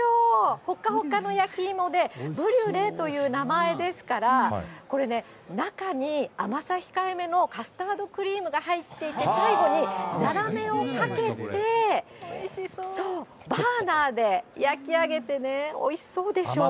ほかほかの焼き芋で、ブリュレという名前ですから、これね、中に甘さ控えめのカスタードクリームが入っていて、最後にざらめをかけて、バーナーで焼き上げてね、おいしそうでしょう。